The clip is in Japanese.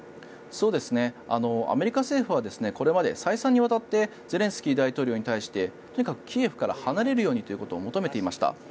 アメリカ政府はこれまで再三にわたってゼレンスキー大統領に対してとにかくキエフから離れるようにということを求めていました。